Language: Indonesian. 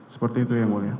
seperti itu yang mulia